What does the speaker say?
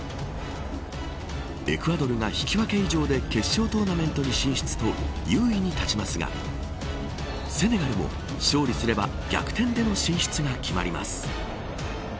エクアドルが引き分け以上で決勝トーナメントに進出と優位に立ちますがセネガルも勝利すれば逆転での進出が決まります。